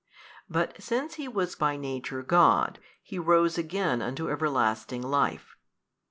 But since He was by Nature God, He rose again unto everlasting life.